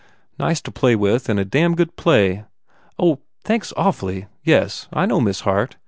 Nice to play with and a damned good play." "Oh thanks awfully. Yes, I know Miss Hart.